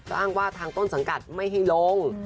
ก็อ้างว่าทางต้นสังกัดไม่ให้ลง